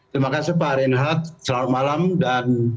terima kasih pak reinhardt selamat malam dan